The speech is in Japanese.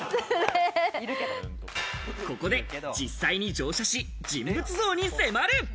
ここで実際に乗車し、人物像に迫る。